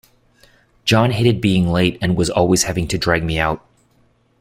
John hated being late, and was always having to drag me out.